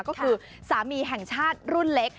ก็คือสามีแห่งชาติรุ่นเล็ก